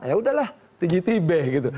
yaudahlah tinggi tipe gitu